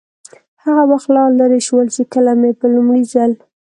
هغه وخت لا لرې شول، چې کله مې په لومړي ځل.